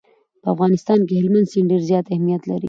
په افغانستان کې هلمند سیند ډېر زیات اهمیت لري.